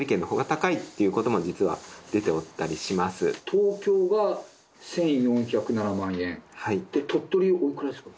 東京が１４０７万円で鳥取、おいくらですか？